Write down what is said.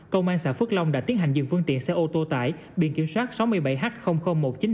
công an xã phước long đã tiến hành dừng phương tiện xe ô tô tải biển kiểm soát sáu mươi bảy h một trăm chín mươi năm